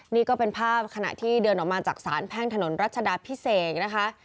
นี่ก็เป็นภาพขณะที่เดินออกมาจากสารแพ่งถนนรัชดาพิเศษนะคะ